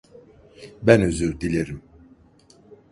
Ben özür dilerim.